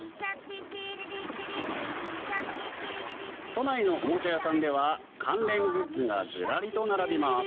都内のおもちゃ屋さんでは関連グッズがズラリと並びます。